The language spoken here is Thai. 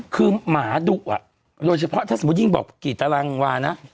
คือหมาดุอ่ะโดยเฉพาะถ้าสมมุติยิ่งบอกกี่ตารางวานะ